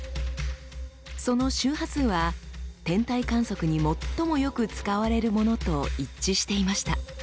その周波数は天体観測に最もよく使われるものと一致していました。